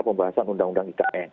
pembahasan undang undang ikn